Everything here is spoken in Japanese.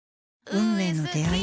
運命の出会い。